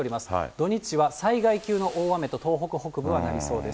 土日は災害級の大雨と東北北部はなりそうです。